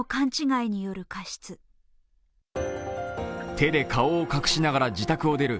手で顔を隠しながら自宅を出る